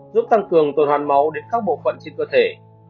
giúp tăng cường tuần hoàn máu đến các bộ phận trên cơ thể